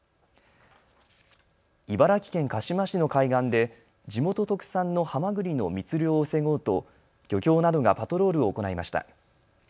茨城県鹿嶋市の海岸で地元特産のハマグリの密漁を防ごうと漁協などがパトロールを行いました。